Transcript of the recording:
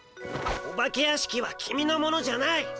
お化け屋敷はキミのものじゃない。